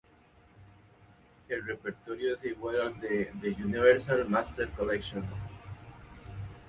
El repertorio es igual al de "The Universal Masters Collection".